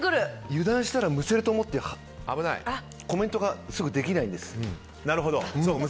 油断したらむせると思ってコメントがすぐできないんです。